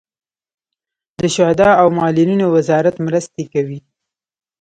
د شهدا او معلولینو وزارت مرستې کوي